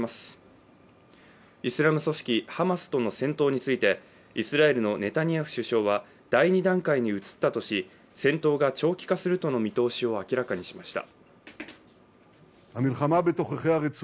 イスラム組織ハマスとの戦闘についてイスラエルのネタニヤフ首相は第２段階に移ったとし、戦闘が長期化するとの見通しを明らかにしました。